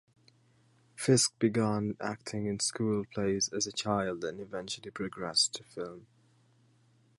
Fisk began acting in school plays as a child and eventually progressed to film.